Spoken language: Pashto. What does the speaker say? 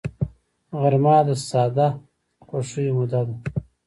غرمه د ساده خوښیو موده ده